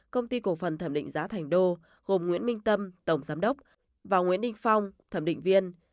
công ty cổ phần thẩm định giá thành đô gồm nguyễn minh tâm tổng giám đốc và nguyễn đình phong thẩm định viên